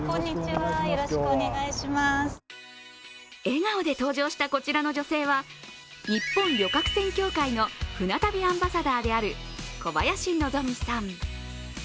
笑顔で登場したこちらの女性は、日本旅客船協会の船旅アンバサダーである小林希さん。